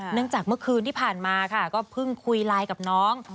จากเมื่อคืนที่ผ่านมาค่ะก็เพิ่งคุยไลน์กับน้อง